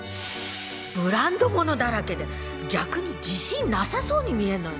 ブランド物だらけで逆に自信なさそうに見えるのよね。